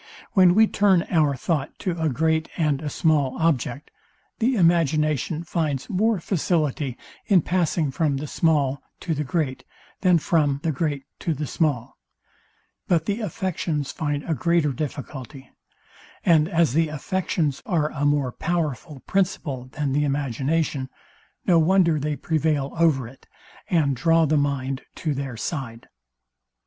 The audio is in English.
When we turn our thought to a great and a small object, the imagination finds more facility in passing from the small to the great, than from the great to the small; but the affections find a greater difficulty: And as the affections are a more powerful principle than the imagination, no wonder they prevail over it, and draw the mind to their side.